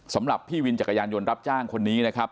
สำหรับพี่วินจักรยานยนต์รับจ้างคนนี้นะครับ